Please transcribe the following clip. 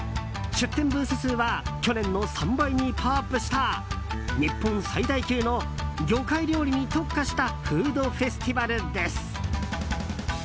出店ブース数は去年の３倍にパワーアップした日本最大級の魚介料理に特化したフードフェスティバルです。